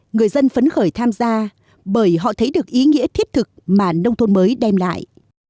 người dân phấn khởi tham gia bởi họ thấy được ý nghĩa thiết thực mà nông thôn mới đem lại